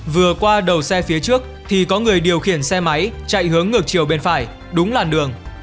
vừa qua đầu xe phía trước thì có người điều khiển xe máy chạy hướng ngược chiều bên phải đúng làn đường